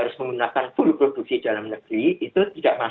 jumlahnya hanya dibatasi untuk kualitas